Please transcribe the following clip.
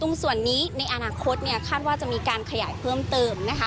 ส่วนนี้ในอนาคตคาดว่าจะมีการขยายเพิ่มเติมนะคะ